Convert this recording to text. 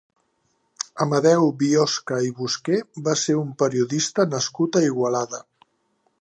Amadeu Biosca i Busqué va ser un periodista nascut a Igualada.